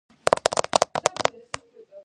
რომანი თარგმნილია სხვადასხვა ევროპულ ენაზეც.